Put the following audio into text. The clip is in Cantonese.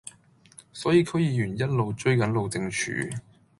所以區議員一路追緊路政署